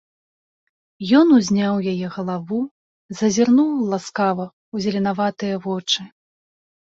Ён узняў яе галаву, зазірнуў ласкава ў зеленаватыя вочы.